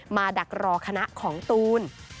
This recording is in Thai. ดักรอคณะของตูน